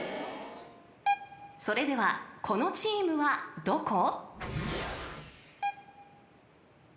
［それではこのチームはどこ？］